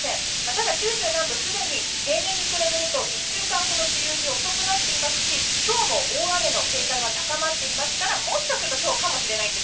ただ九州南部すでに平年に比べると１週間ほど梅雨入りが遅くなっていますし今日も大雨の警戒は高まっていますからもしかすると今日かもしれません。